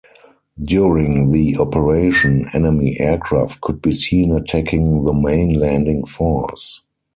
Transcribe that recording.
During the operation, enemy aircraft could be seen attacking the main landing force.